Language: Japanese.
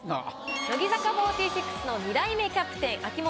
乃木坂４６の２代目キャプテン秋元